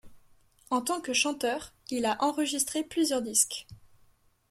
En tant que chanteur, il a enregistré plusieurs disques.